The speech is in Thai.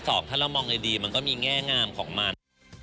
ถ้าเรามองดีมันก็มีแง่งามของมัน